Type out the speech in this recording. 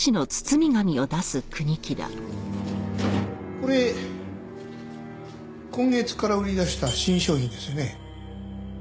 これ今月から売り出した新商品ですよね？